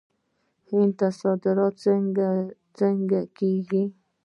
هند ته صادرات څنګه کیږي؟